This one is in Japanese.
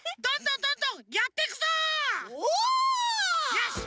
よし！